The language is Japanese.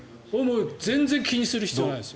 全然気にする必要はないですよ。